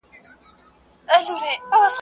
خوله ئې په اوگره سوې وه، ځگېروى ئې د ځکندن کاوه.